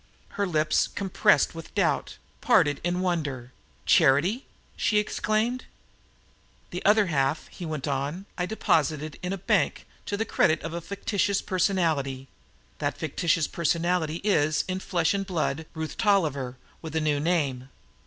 Her lips, compressed with doubt, parted in wonder. "Charity!" she exclaimed. "And the other half," he went on, "I deposited in a bank to the credit of a fictitious personality. That fictitious personality is, in flesh and blood, Ruth Tolliver with a new name.